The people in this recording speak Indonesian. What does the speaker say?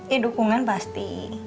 ya dukungan pasti